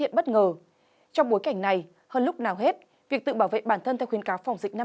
hiện bất ngờ trong bối cảnh này hơn lúc nào hết việc tự bảo vệ bản thân theo khuyến cáo phòng dịch năm